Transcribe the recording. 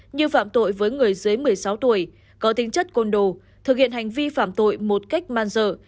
như phạm tội với người dưới một mươi sáu tuổi có tính chất côn đồ thực hiện hành vi phạm tội một cách man dợ